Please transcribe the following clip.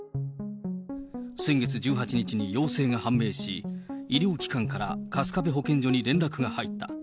先月１８日に陽性が判明し、医療機関から春日部保健所に連絡が入った。